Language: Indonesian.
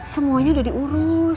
semuanya udah diurus